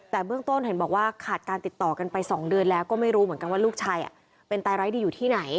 แต่เบื้องต้นเห็นบอกว่าขาดการติดต่อกันไป๒เดือนแล้วก็ไม่รู้เหมือนกันว่าลูกชายเป็นตายร้ายดีอยู่ที่ไหน